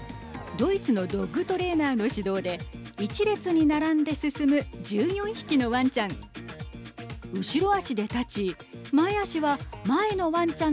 ドイツのドッグトレーナーの指導で１列に並んで進む１４匹のわんちゃん。